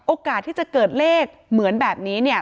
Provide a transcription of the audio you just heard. โอกาสที่จะเกิดเลขเหมือนแบบนี้เนี่ย